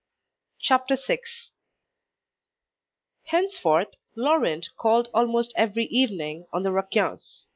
CHAPTER VI Henceforth, Laurent called almost every evening on the Raquins.